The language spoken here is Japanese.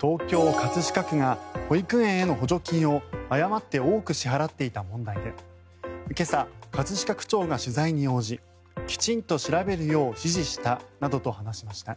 東京・葛飾区が保育園への補助金を誤って多く支払っていた問題で今朝、葛飾区長が取材に応じきちんと調べるよう指示したなどと話しました。